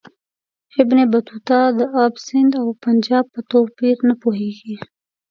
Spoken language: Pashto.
ابن بطوطه د آب سند او پنجاب په توپیر نه پوهیږي.